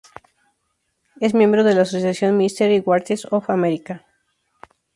Es miembro de la asociación Mystery Writers of America.